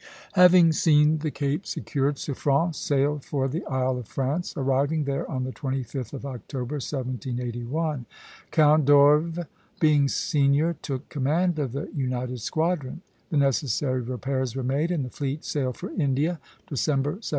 Having seen the Cape secured, Suffren sailed for the Isle of France, arriving there on the 25th of October, 1781. Count d'Orves, being senior, took command of the united squadron. The necessary repairs were made, and the fleet sailed for India, December 17.